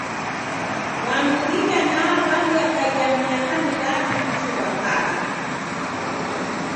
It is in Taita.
W'andu idanaa w'aw'iakaia miaka milazi kuchumba kala.